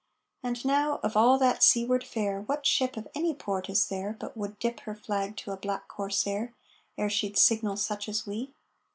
And now, of all that seaward fare, What ship of any port is there But would dip her flag to a black corsair Ere she'd signal such as we!